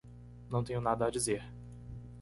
Não tenho nada a dizer.